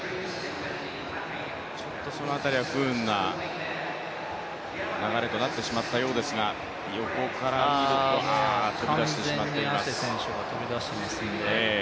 その辺りは不運な流れとなってしまったようですが、完全にアシェ選手が飛び出していますね。